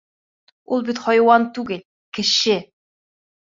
Ул бит хайуан түгел, кеше!